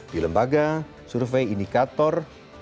di lembaga survei indikator